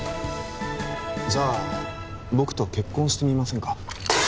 じゃあ僕と結婚してみませんか？